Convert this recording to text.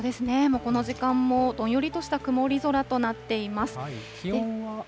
もうこの時間も、どんよりとした曇り空となっています。